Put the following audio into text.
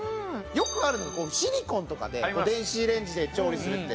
よくあるのがシリコンとかで電子レンジで調理するって。